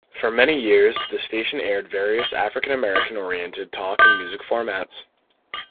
For many years, the station aired various African-American-oriented talk and music formats.